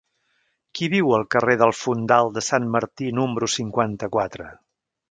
Qui viu al carrer del Fondal de Sant Martí número cinquanta-quatre?